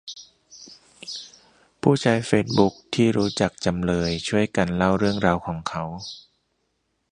ผู้ใช้เฟซบุ๊กที่รู้จักจำเลย ช่วยกันเล่าเรื่องราวของเขา